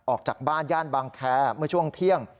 ออกจากบ้านญาติบางแคช่วงเที่ยง